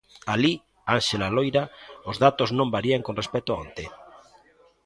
Alí, Ánxela Loira, os datos non varían con respecto a onte.